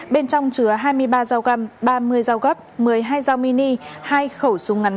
bên trong chứa hai mươi ba giao găm ba mươi rau gấp một mươi hai dao mini hai khẩu súng ngắn